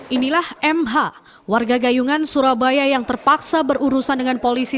inilah mh warga gayungan surabaya yang terpaksa berurusan dengan polisi